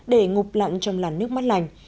để ngụp lặn trong làn nước mắt lành